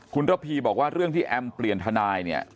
คุณทพบอกว่าเรื่องที่แอมเปลี่ยนทนาย